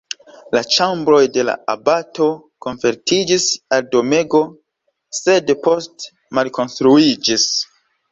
La ĉambroj de la abato konvertiĝis al domego, sed poste malkonstruiĝis.